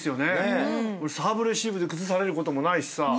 サーブレシーブで崩されることもないしさ